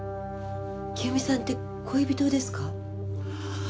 清美さんって恋人ですか？